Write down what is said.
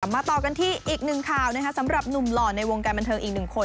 มาต่อกันที่อีกหนึ่งข่าวสำหรับหนุ่มหล่อในวงการบันเทิงอีกหนึ่งคน